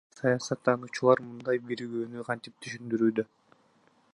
Саясат тануучулар мындай биригүүнү кантип түшүндүрүүдө?